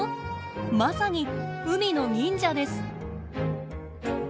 まさに海の忍者です。